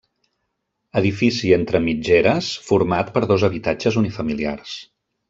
Edifici entre mitgeres format per dos habitatges unifamiliars.